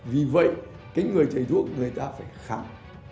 vì vậy người chạy thuốc người ta phải khám